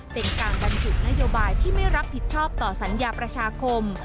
เป็นการบรรจุนโยบายที่ไม่รับผิดชอบต่อสัญญาประชาคม